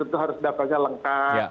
itu harus dapatnya lengkap